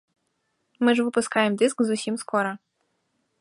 Мы ж выпускаем дыск зусім скора.